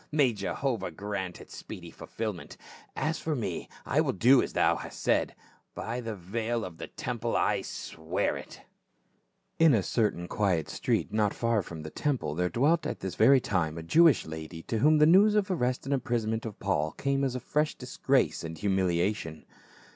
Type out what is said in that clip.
May Jehovah grant its speedy fulfillment. As for mo, I will do a.s thou hast said ; by the veil of the temple I swear it !" A PROMISE AND A VOW. 307 In a certain quiet street not far from the temple, there dwelt at this very time a Jewish lady to whom the news of the arrest and imprisonment of Paul came as a fresh disgrace and humiliation.